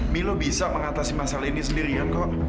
milo bisa mengatasi masalah ini sendirian kok